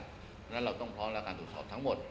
เพราะฉะนั้นเราต้องพร้อมดูข่าสการสมบัติทั้งหมด